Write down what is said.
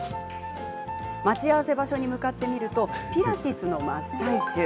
待ち合わせ場所に向かってみるとピラティスの真っ最中。